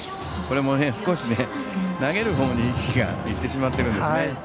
これも少し投げるほうに意識が行ってしまっているんですね。